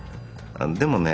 でもね